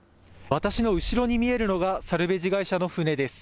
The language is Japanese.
私の後ろに見えるのが、サルベージ会社の船です。